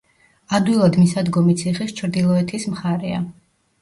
ადვილად მისადგომი ციხის ჩრდილოეთის მხარეა.